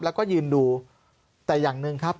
แล้วก็ยืนดูแต่อย่างหนึ่งครับ